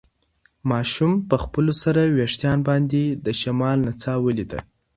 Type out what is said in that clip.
ماشوم په خپلو سره وېښتان باندې د شمال نڅا ولیده.